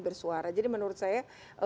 bersuara jadi menurut saya